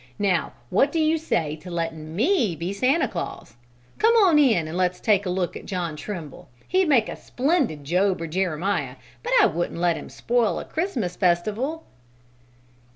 "Now, what do you say to letting me be Santa Claus? Come on in and let's look at John Trimble. He'd make a splendid Job or Jeremiah, but I wouldn't let him spoil a Christmas festival!"